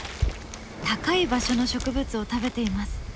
高い場所の植物を食べています。